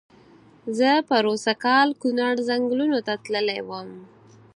زه پرو سږ کال کونړ ځنګلونو ته تللی وم.